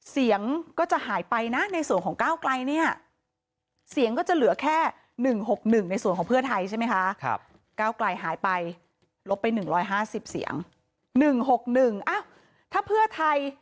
เสียงก็จะหายไปนะในส่วนของเก้าใกล้เนี่ย